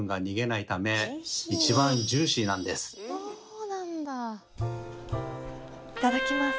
いただきます。